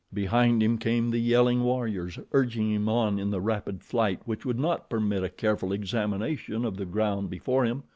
Behind him came the yelling warriors, urging him on in the rapid flight which would not permit a careful examination of the ground before him.